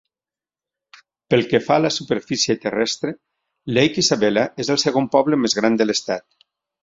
Pel que fa a la superfície terrestre, Lake Isabella és el segon poble més gran de l'estat.